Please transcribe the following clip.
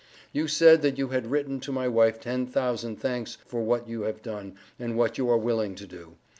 You said that you had written to my wife ten thousand thanks for what you have done and what you are willing to do.